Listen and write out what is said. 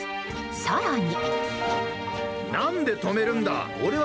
更に。